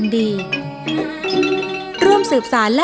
สงกรานภาคใต้